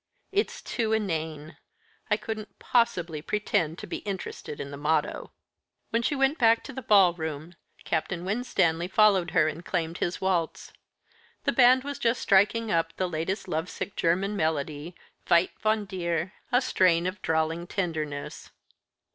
"It's too inane. I couldn't possibly pretend to be interested in the motto." When she went back to the ball room Captain Winstanley followed her and claimed his waltz. The band was just striking up the latest love sick German melody, "Weit von dir!" a strain of drawling tenderness.